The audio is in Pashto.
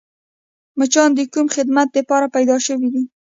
مچان د کوم خدمت دپاره پیدا شوي دي؟